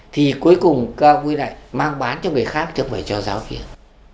thì cuối cùng mang bán cho người khác chứ không phải cho giáo viên